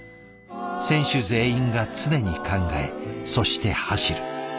選手全員が常に考えそして走る。